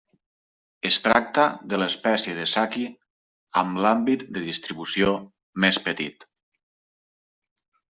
Es tracta de l'espècie de saqui amb l'àmbit de distribució més petit.